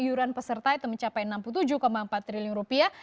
iuran peserta itu mencapai enam puluh tujuh empat triliun rupiah